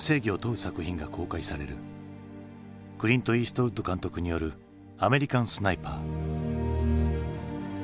クリント・イーストウッド監督による「アメリカン・スナイパー」。